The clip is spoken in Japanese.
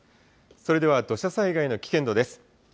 それでは土砂災害の危険度です。